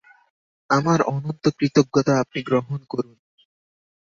আমার অনন্ত কৃতজ্ঞতা আপনি গ্রহণ করুন।